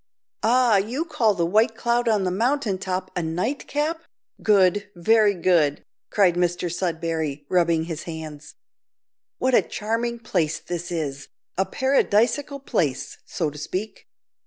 "Ah! you call the white cloud on the mountain top a nightcap? good, very good," cried Mr Sudberry, rubbing his hands. "What a charming place this is, a paradisaical place, so to speak.